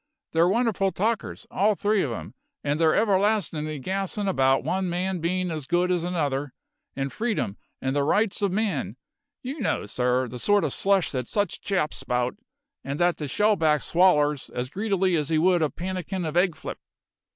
"They're wonderful talkers, all three of 'em, and they're everlastin'ly gassin' about one man bein' as good as another, and freedom, and the rights of man you know, sir, the sort of slush that such chaps spouts, and that the shellback swallers as greedily as he would a pannikin of egg flip!"